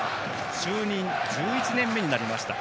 就任１１年目になりました。